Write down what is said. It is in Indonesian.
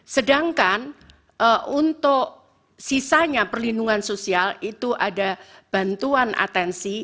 sedangkan untuk sisanya perlindungan sosial itu ada bantuan atensi